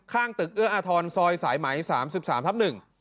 ข้างตึกเอออทรซอยสายไหมสามสิบสามทับหนึ่ง